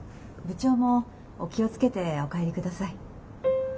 部長もお気を付けてお帰り下さい。